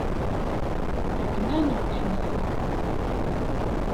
Tɛeyyen-aneɣ-d Ḥnifa.